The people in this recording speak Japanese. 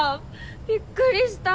びっくりした！